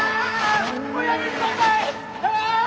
おやめください！